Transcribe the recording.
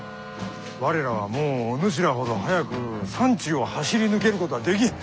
我らはもうお主らほど速く山中を走り抜けることはできん。